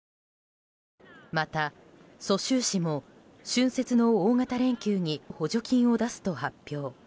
また、蘇州市も春節の大型連休に補助金を出すと発表。